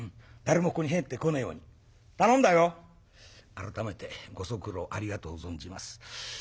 改めてご足労ありがとう存じます。